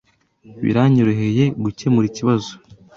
Biranyoroheye gukemura ikibazo.